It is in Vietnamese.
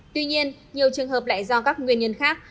tuy nhiên nhiều trường hợp lại do các nguyên nhân khác